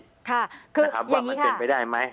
ค่ะคืออย่างนี้ค่ะว่ามันเป็นไปได้ไหม